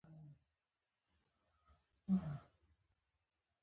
دا زموږ د سیاسي فرهنګ د تعقل ورکه ده.